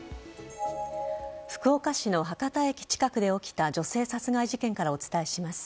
福岡市の博多駅近くで起きた女性殺害事件からお伝えします。